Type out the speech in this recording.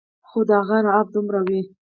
خو د هغو رعب دومره وي